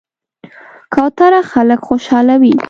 کوتره خلک خوشحالوي.